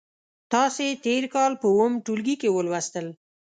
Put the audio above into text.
تاسې تېر کال په اووم ټولګي کې ولوستل.